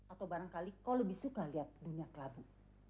atau barangkali kau lebih suka lihat dunia kelabu